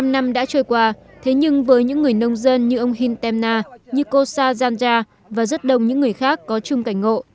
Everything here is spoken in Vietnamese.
bảy mươi năm năm đã trôi qua thế nhưng với những người nông dân như ông hintemna như cô sayanja và rất đông những người khác có chung cảnh ngộ